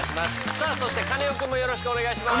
さあそしてカネオくんもよろしくお願いします。